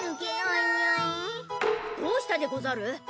どうしたでござる？